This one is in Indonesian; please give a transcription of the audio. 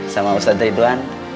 sama ustadzah ridwan